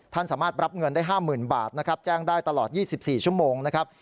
ท่านสามารถรับเงินได้๕๐๐๐บาทนะครับแจ้งได้ตลอด๒๔ชั่วโมงนะครับ